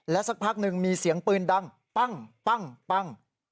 และสักพักหนึ่งมีเสียงปืนดังปั้งปั้งปั้ง